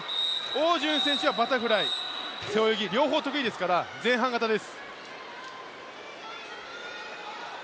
汪順選手はバタフライ、背泳ぎ、両方得意ですから、前半型です。